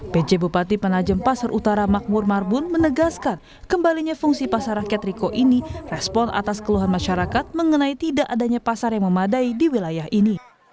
pj bupati penajem pasar utara makmur marbun menegaskan kembalinya fungsi pasar rakyat riko ini respon atas keluhan masyarakat mengenai tidak adanya pasar yang memadai di wilayah ini